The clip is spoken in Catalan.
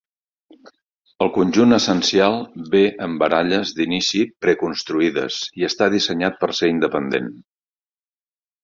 El conjunt essencial ve amb baralles d'inici pre-construïdes i està dissenyat per ser independent.